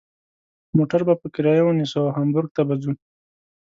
موټر به په کرایه ونیسو او هامبورګ ته به ځو.